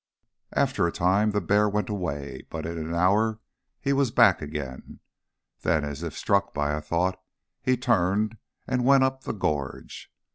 After a time the bear went away, but in an hour he was back again. Then, as if struck by a thought, he turned, and went up the gorge....